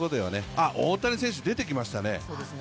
あっ、大谷選手出てきましたね。